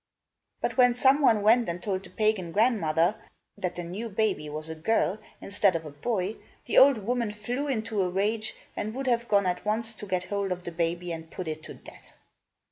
But when some one went and told the pagan grandmother that the new baby was a girl instead of a boy, the old woman flew into a rage and would have gone at once to get hold of the baby and put it to death.